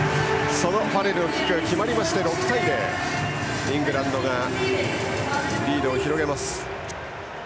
そのファレルのキックが決まって６対０とイングランドがリードを広げます。